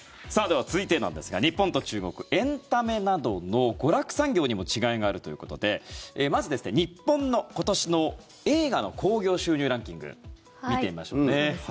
では続いてなんですが日本と中国エンタメなどの娯楽産業にも違いがあるということでまず日本の今年の映画の興行収入ランキング見てみましょう。